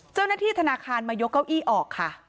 เจ้าหน้าที่ธนาคารมายกเก้าอี้ออกค่ะ